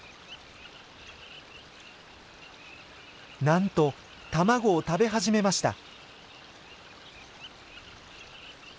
なんと卵を食べ始めました。